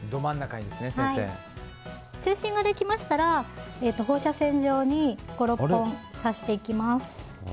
中心ができましたら放射線状に５６本刺していきます。